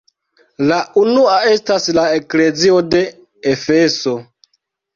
La unua estas la eklezio de Efeso.